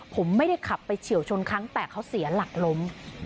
ผมไม่ได้ขับไปเฉียวชนครั้งแต่เขาเสียหลักล้ม